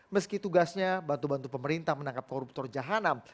meski tugasnya bantu bantu pemerintah menangkap koruptor jahanam